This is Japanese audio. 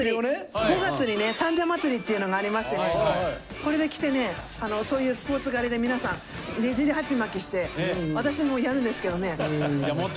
５月にね三社祭っていうのがありましてこれ着てねそういうスポーツ刈りで皆さんねじり鉢巻きして私もやるんですけどね。